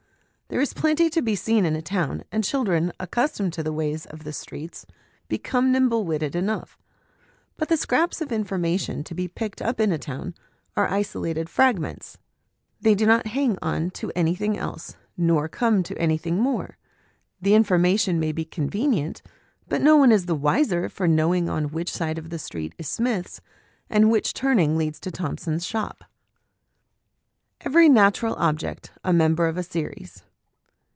There is plenty to be seen in a town, and children accustomed to the ways of the streets become nimble witted enough. But the scraps of information to be picked up in a town are isolated fragments ; they do not hang on to anything else, nor come to anything more; the information may be convenient, but no one is the wiser for knowing on which side of the street is Smith's, and which turning leads to Thompson's shop. Every Natural Object a Member of a Series.